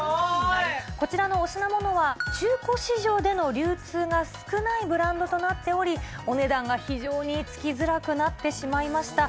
こちらのお品物は中古市場での流通が少ないブランドとなっており、お値段が非常につきづらくなってしまいました。